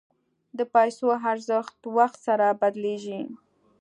د پیسو ارزښت وخت سره بدلېږي.